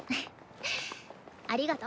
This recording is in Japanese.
ありがと。